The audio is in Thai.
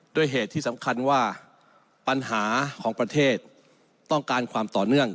ด้วยเหตุที่สำคัญว่าปัญหาของประเทศต้องการความต่อเนื่อง